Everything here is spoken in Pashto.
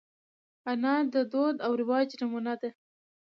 انا د دود او رواج نمونه ده